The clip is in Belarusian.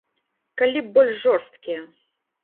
Калі б больш жорсткія.